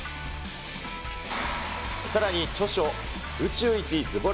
さらに著書、宇宙一ずぼら